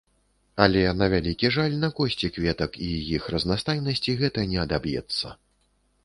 Але, на вялікі жаль, на кошце кветак і іх разнастайнасці гэта не адаб'ецца.